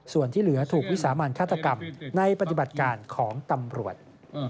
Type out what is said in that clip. ส่วนที่เหลือถูกวิสามันฆาตกรรมในปฏิบัติการของตำรวจ